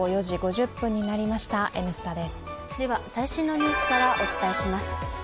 では最新のニュースからお伝えします。